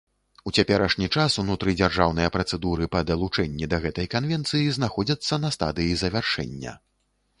У цяперашні час унутрыдзяржаўныя працэдуры па далучэнні да гэтай канвенцыі знаходзяцца на стадыі завяршэння.